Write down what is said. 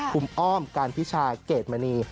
คุณอ้อมการพิชาเกรดมณี